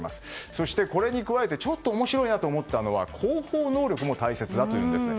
そして、これに加えてちょっと面白いと思ったのは広報能力も大切だというんです。